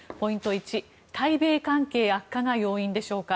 １対米関係悪化が要因でしょうか。